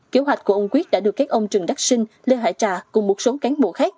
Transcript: kế hoạch của ông quyết đã được các ông trần đắc sinh lê hải trà cùng một số cán bộ khác